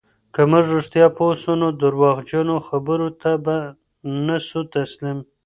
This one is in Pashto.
که موږ رښتیا پوه سو، نو درواغجنو خبرو ته به نه سو تسلیم.